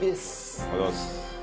ありがとうございます。